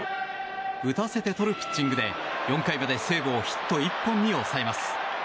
打たせてとるピッチングで４回まで西武をヒット１本に抑えます。